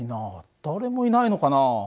誰もいないのかな？